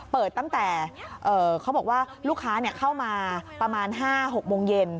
เปิดตั้งแต่เขาบอกว่าลูกค้าเข้ามาประมาณ๕๖โมงเย็น